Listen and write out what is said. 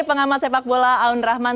mas amin dan mas rahman